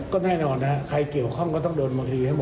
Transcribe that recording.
ก็แน่นอนนะครับใครเกี่ยวข้องก็ต้องโดนมองทีให้หมดนะครับ